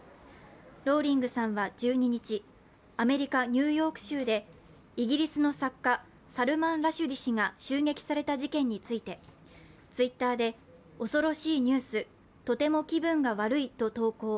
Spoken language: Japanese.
ローリングさんは１２日、アメリカ・ニューヨーク州でイギリスの作家、サルマン・ラシュディ氏が襲撃された事件についてＴｗｉｔｔｅｒで恐ろしいニュース、とても気分が悪いと投稿。